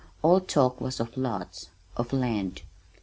All talk was of lots, of land.